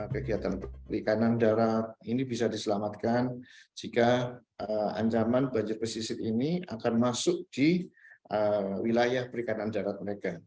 kegiatan perikanan darat ini bisa diselamatkan jika ancaman banjir pesisir ini akan masuk di wilayah perikanan darat mereka